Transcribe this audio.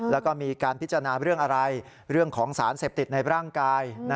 แล้วก็มีการพิจารณาเรื่องอะไรเรื่องของสารเสพติดในร่างกาย